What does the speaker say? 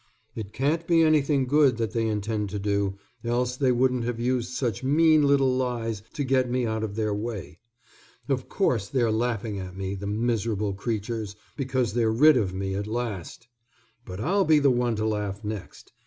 "It can't be anything good that they intend to do, else they wouldn't have used such mean little lies to get me out of their way. Of course, they're laughing at me, the miserable creatures, because they're rid of me at last. But I'll be the one to laugh next.